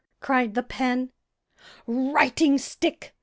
cried the pen. "Writing stick!"